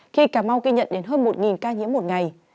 khi cà mau ghi nhận đến hơn một ca nhiễm một ngày